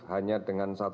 hanya dengan penyakit